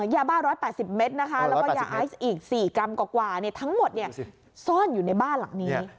ยาบ้า๑๘๐เมตรนะคะแล้วก็ยาไอซ์อีก๔กรัมกว่าทั้งหมดซ่อนอยู่ในบ้านหลังนี้